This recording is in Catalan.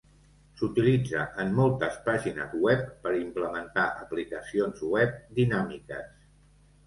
S'utilitza en moltes pàgines web per implementar aplicacions web dinàmiques.